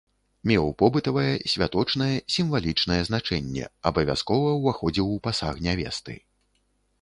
Меў побытавае, святочнае, сімвалічнае значэнне, абавязкова ўваходзіў у пасаг нявесты.